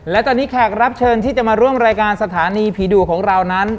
และตอนนี้แขกรับเชิญที่จะมาร่วมรายการสถานีผีดุของเรานั้น